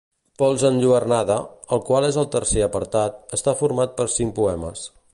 Pols enlluernada, el qual és el tercer apartat, està format per cinc poemes.